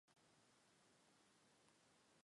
Валентин, тый коватлан шампанскийым кондем, маньыч.